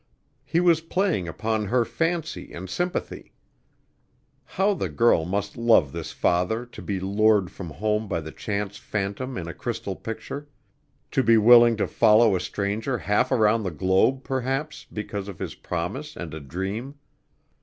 He was playing upon her fancy and sympathy. How the girl must love this father to be lured from home by the chance phantom in a crystal picture to be willing to follow a stranger half around the globe, perhaps, because of his promise and a dream.